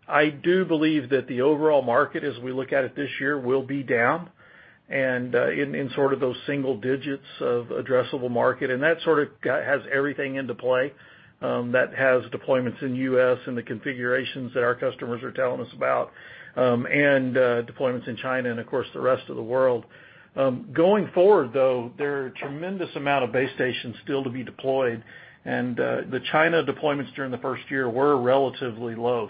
I do believe that the overall market, as we look at it this year, will be down and in sort of those single digits of addressable market, and that sort of has everything into play, that has deployments in U.S. and the configurations that our customers are telling us about, and deployments in China and of course, the rest of the world. Going forward, though, there are a tremendous amount of base stations still to be deployed. The China deployments during the first year were relatively low.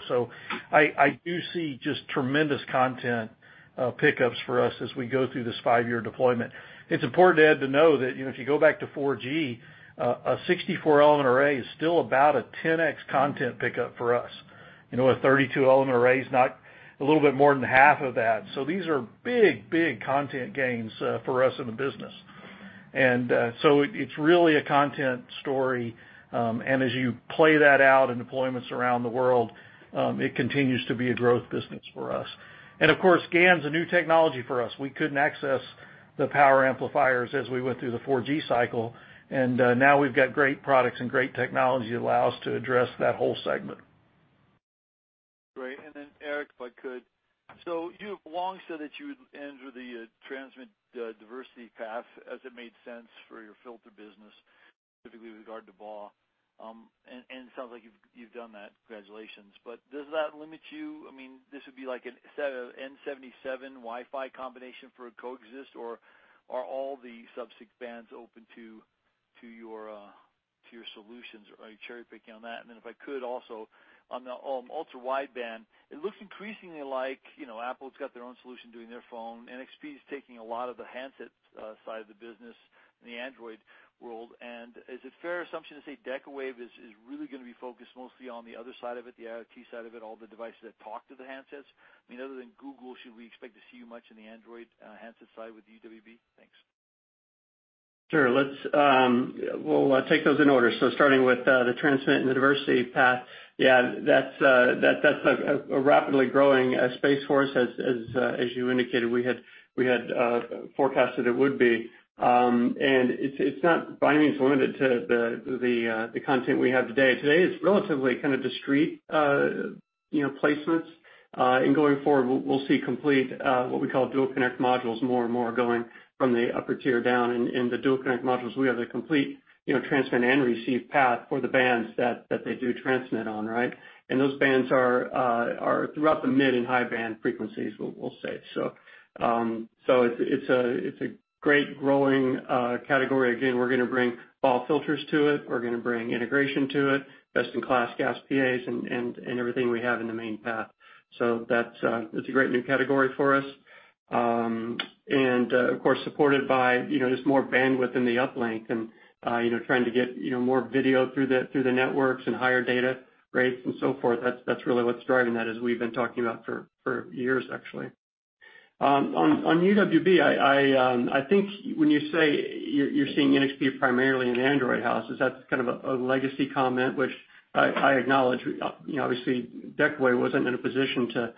I do see just tremendous content pickups for us as we go through this five-year deployment. It's important to add, to know that if you go back to 4G, a 64-element array is still about a 10x content pickup for us. A 32-element array is not a little bit more than half of that. These are big content gains for us in the business. It's really a content story, and as you play that out in deployments around the world, it continues to be a growth business for us. Of course, GaN's a new technology for us. We couldn't access the power amplifiers as we went through the 4G cycle, and now we've got great products and great technology that allow us to address that whole segment. Great. Eric, if I could. You have long said that you would enter the transmit diversity path as it made sense for your filter business, specifically with regard to BAW. It sounds like you've done that, congratulations. Does that limit you? This would be like an N77 Wi-Fi combination for a coexist, or are all the sub-6 bands open to your solutions? Are you cherry-picking on that? If I could also, on the Ultra-Wideband, it looks increasingly like Apple's got their own solution doing their phone. NXP is taking a lot of the handset side of the business in the Android world. Is it a fair assumption to say Decawave is really going to be focused mostly on the other side of it, the IoT side of it, all the devices that talk to the handsets? Other than Google, should we expect to see you much in the Android handset side with UWB? Thanks. Sure. We'll take those in order. Starting with the transmit and the diversity path, yeah, that's a rapidly growing space for us as you indicated. We had forecasted it would be. It's not, by any means, limited to the content we have today. Today is relatively kind of discrete placements. In going forward, we'll see complete, what we call dual connect modules, more and more going from the upper tier down. In the dual-connect modules, we have the complete transmit and receive path for the bands that they do transmit on. Right? Those bands are throughout the mid and high band frequencies, we'll say. It's a great growing category. Again, we're going to bring BAW filters to it. We're going to bring integration to it, best-in-class GaAs PAs and everything we have in the main path. That's a great new category for us. Of course, supported by just more bandwidth in the uplink and trying to get more video through the networks and higher data rates and so forth. That's really what's driving that, as we've been talking about for years actually. On UWB, I think when you say you're seeing NXP primarily in Android houses, that's kind of a legacy comment, which I acknowledge, obviously Decawave wasn't in a position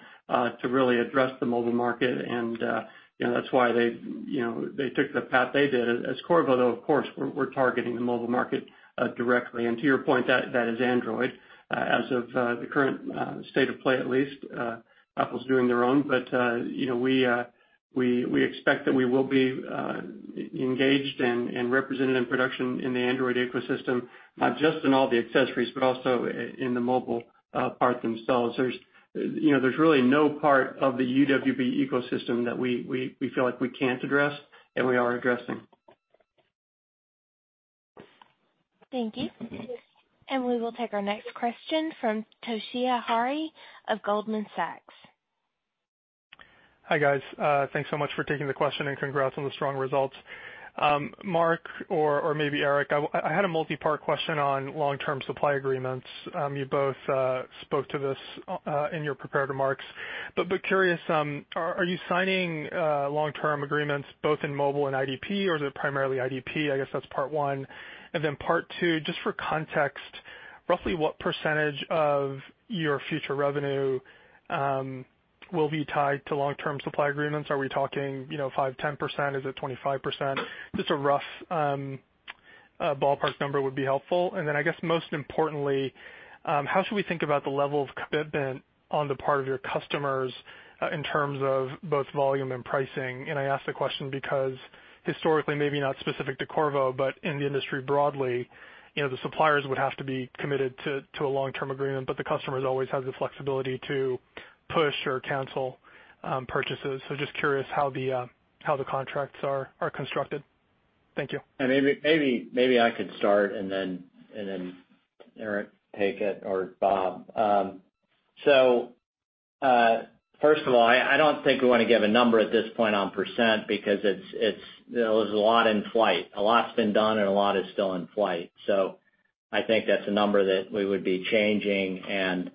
to really address the mobile market and that's why they took the path they did. As Qorvo, though, of course, we're targeting the mobile market directly. To your point, that is Android, as of the current state of play at least. Apple's doing their own, but we expect that we will be engaged and represented in production in the Android ecosystem, not just in all the accessories, but also in the mobile parts themselves. There's really no part of the UWB ecosystem that we feel like we can't address and we are addressing. Thank you. We will take our next question from Toshiya Hari of Goldman Sachs. Hi, guys. Thanks so much for taking the question and congrats on the strong results. Mark or maybe Eric, I had a multi-part question on long-term supply agreements. You both spoke to this in your prepared remarks. Curious, are you signing long-term agreements both in mobile and IDP, or is it primarily IDP? I guess that's part one. Part two, just for context, roughly what percentage of your future revenue will be tied to long-term supply agreements? Are we talking 5%, 10%? Is it 25%? Just a rough ballpark number would be helpful. I guess most importantly, how should we think about the level of commitment on the part of your customers in terms of both volume and pricing? I ask the question because historically, maybe not specific to Qorvo, but in the industry broadly, the suppliers would have to be committed to a long-term agreement, but the customers always have the flexibility to push or cancel purchases. Just curious how the contracts are constructed. Thank you. I could start, then Eric take it or Bob. First of all, I don't think we want to give a number at this point on percent because there's a lot in flight. A lot's been done, and a lot is still in flight. I think that's a number that we would be changing and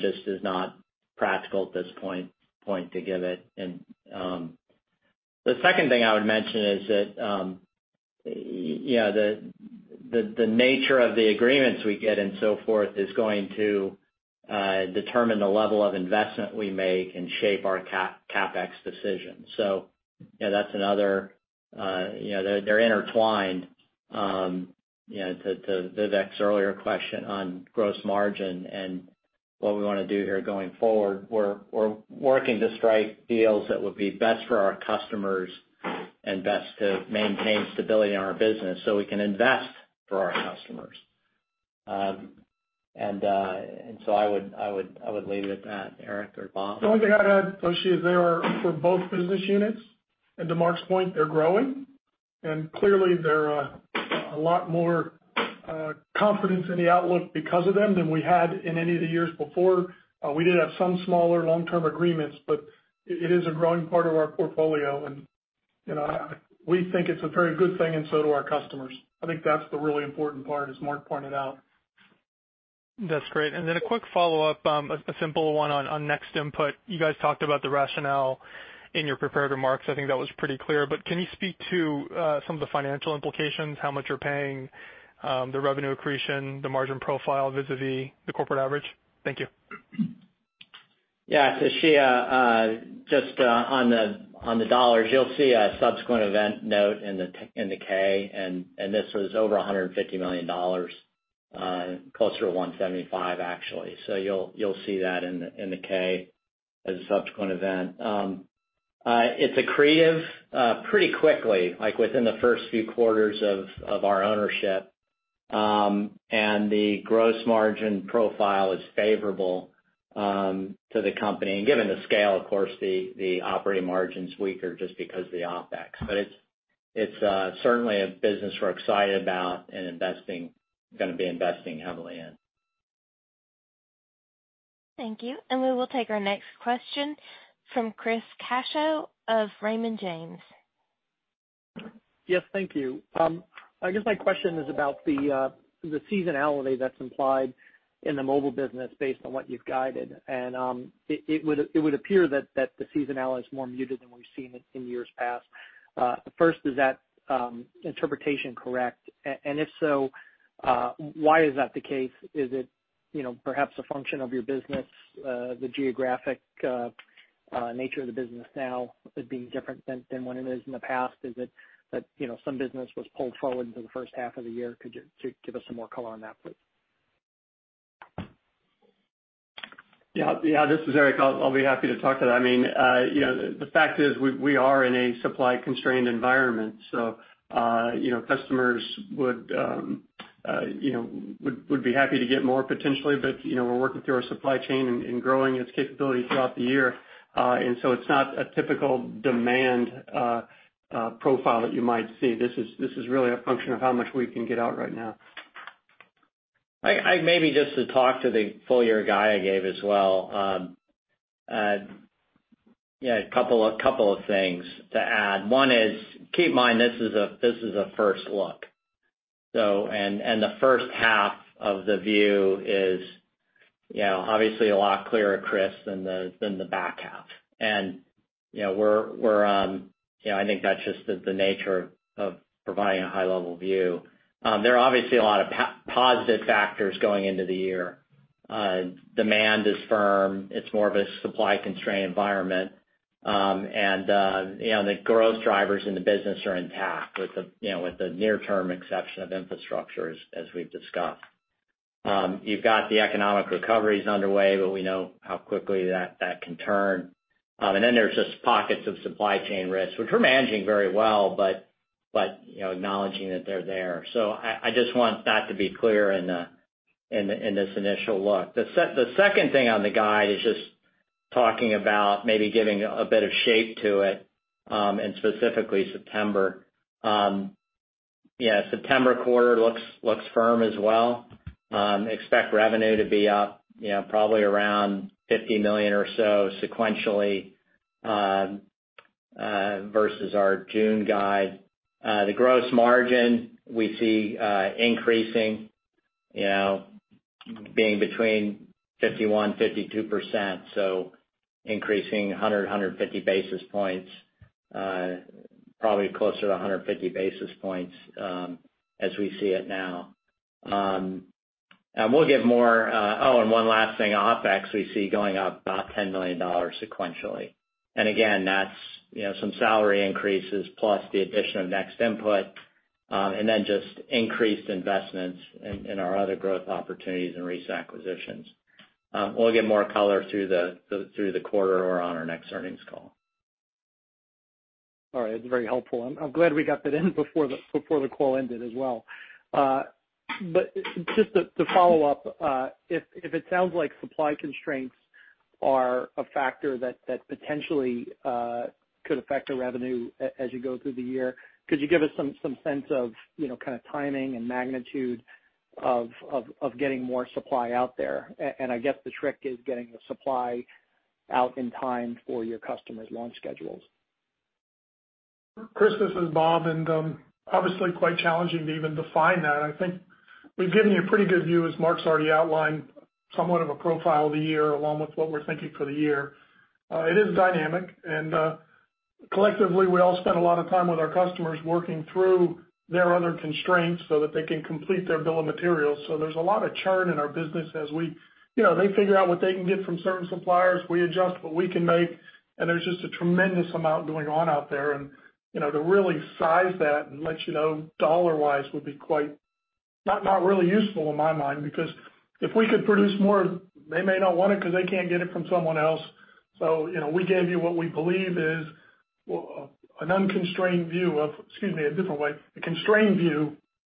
just is not practical at this point to give it. The second thing I would mention is that the nature of the agreements we get and so forth is going to determine the level of investment we make and shape our CapEx decisions. They're intertwined. To Vivek's earlier question on gross margin and what we want to do here going forward, we're working to strike deals that would be best for our customers and best to maintain stability in our business so we can invest for our customers. I would leave it at that. Eric or Bob? The only thing I'd add, Toshiya, is they are for both business units, and to Mark's point, they're growing. Clearly, there is a lot more confidence in the outlook because of them than we had in any of the years before. We did have some smaller long-term agreements, but it is a growing part of our portfolio, and we think it's a very good thing and so do our customers. I think that's the really important part, as Mark pointed out. That's great. A quick follow-up, a simple one on NextInput. You guys talked about the rationale in your prepared remarks. I think that was pretty clear. Can you speak to some of the financial implications, how much you're paying, the revenue accretion, the margin profile vis-a-vis the corporate average? Thank you. Yeah. Toshiya, just on the dollars, you'll see a subsequent event note in the K, and this was over $150 million, closer to $175 million actually. You'll see that in the K as a subsequent event. It's accretive pretty quickly, like within the first few quarters of our ownership. The gross margin profile is favorable to the company. Given the scale, of course, the operating margin's weaker just because of the OpEx. It's certainly a business we're excited about and going to be investing heavily in. Thank you. We will take our next question from Chris Caso of Raymond James. Yes. Thank you. I guess my question is about the seasonality that's implied in the mobile business based on what you've guided. It would appear that the seasonality is more muted than we've seen it in years past. First, is that interpretation correct? If so, why is that the case? Is it perhaps a function of your business, the geographic nature of the business now as being different than what it is in the past? Is it that some business was pulled forward into the first half of the year? Could you give us some more color on that, please? Yeah. This is Eric. I'll be happy to talk to that. The fact is, we are in a supply-constrained environment, so customers would be happy to get more potentially, but we're working through our supply chain and growing its capability throughout the year. It's not a typical demand profile that you might see. This is really a function of how much we can get out right now. Maybe just to talk to the full-year guide I gave as well. A couple of things to add. One is, keep in mind, this is a first look. The first half of the view is obviously a lot clearer, Chris, than the back half. I think that's just the nature of providing a high-level view. There are obviously a lot of positive factors going into the year. Demand is firm. It's more of a supply-constrained environment. The growth drivers in the business are intact with the near-term exception of infrastructures as we've discussed. You've got the economic recoveries underway, but we know how quickly that can turn. There's just pockets of supply chain risks, which we're managing very well, but acknowledging that they're there. I just want that to be clear in this initial look. The second thing on the guide is just talking about maybe giving a bit of shape to it. Specifically September. Yeah, September quarter looks firm as well. Expect revenue to be up probably around $50 million or so sequentially, versus our June guide. The gross margin we see increasing, being between 51%-52%, so increasing 100-150 basis points, probably closer to 150 basis points, as we see it now. We'll give more-- oh, and one last thing. OPEX, we see going up about $10 million sequentially. Again, that's some salary increases plus the addition of NextInput, then just increased investments in our other growth opportunities and recent acquisitions. We'll give more color through the quarter or on our next earnings call. All right. It's very helpful. I'm glad we got that in before the call ended as well. Just to follow up, if it sounds like supply constraints are a factor that potentially could affect the revenue as you go through the year, could you give us some sense of timing and magnitude of getting more supply out there? I guess the trick is getting the supply out in time for your customers' launch schedules. Chris, this is Bob. Obviously quite challenging to even define that. I think we've given you a pretty good view, as Mark's already outlined, somewhat of a profile of the year along with what we're thinking for the year. It is dynamic and, collectively, we all spend a lot of time with our customers working through their other constraints so that they can complete their bill of materials. There's a lot of churn in our business as we figure out what they can get from certain suppliers, we adjust what we can make, and there's just a tremendous amount going on out there. To really size that and let you know dollar-wise would be not really useful in my mind, because if we could produce more, they may not want it because they can't get it from someone else. We gave you what we believe is a constrained view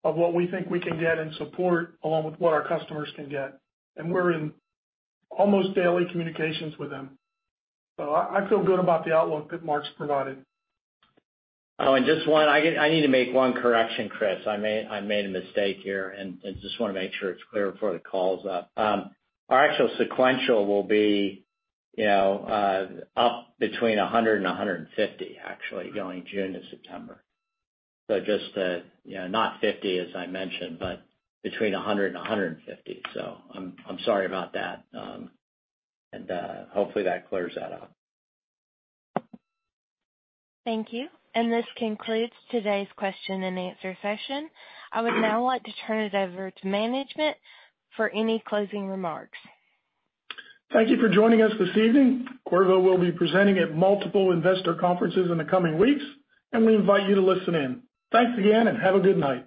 of what we think we can get and support along with what our customers can get. We're in almost daily communications with them. I feel good about the outlook that Mark's provided. Just one. I need to make one correction, Chris. I made a mistake here. Just want to make sure it's clear before the call's up. Our actual sequential will be up between 100 and 150, actually, going June to September. Just not 50 as I mentioned, but between 100 and 150. I'm sorry about that. Hopefully that clears that up. Thank you. This concludes today's question and answer session. I would now like to turn it over to management for any closing remarks. Thank you for joining us this evening. Qorvo will be presenting at multiple investor conferences in the coming weeks, and we invite you to listen in. Thanks again, and have a good night.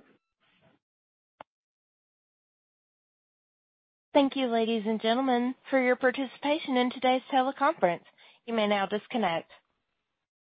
Thank you, ladies and gentlemen, for your participation in today's teleconference. You may now disconnect.